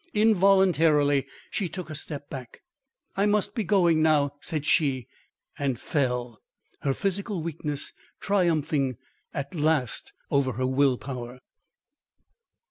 Involuntarily she took a step back. "I must be going now," said she, and fell her physical weakness triumphing at last over her will power.